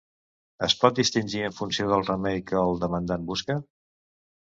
Es pot distingir en funció del remei que el demandant busca.